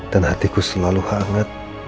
dan hatiku setelah hinga